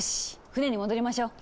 船に戻りましょう。